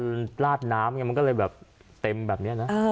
อือยังไม่ทันลาดน้ำไงมันก็เลยแบบเต็มแบบเนี้ยนะ